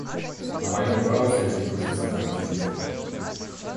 В моём браузере не грузятся картинки.